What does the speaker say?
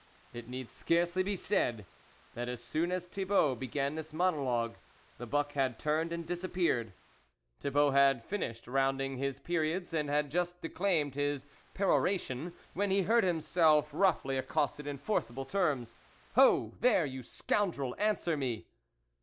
It need scarcely be said, that as soon as Thibault began this monologue, the buck had turned and disappeared. Thibault had finished rounding his periods, and had just declaimed his peroration, when he heard himself roughly accosted in forcible terms :" Ho, there, you scoundrel ! answer me."